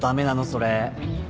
それ。